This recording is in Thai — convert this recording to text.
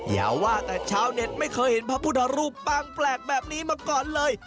อย่าว่าแต่ชาวเน็ตไม่เคยเห็นพระพุทธรูปปังแปลกแบบนี้มาก่อนเลย